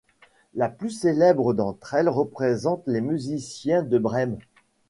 La plus célèbre d'entre elles représente les Musiciens de Brême.